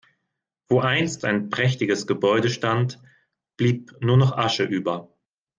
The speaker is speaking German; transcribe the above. Wo einst ein prächtiges Gebäude stand, blieb nur noch Asche über.